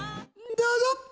どうぞ！